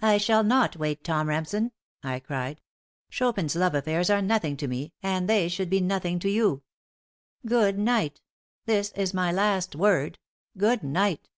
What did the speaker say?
"I shall not wait, Tom Remsen," I cried. "Chopin's love affairs are nothing to me and they should be nothing to you. Good night. This is my last word. Good night."